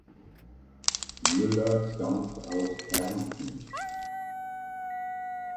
Müller stammt aus Kärnten.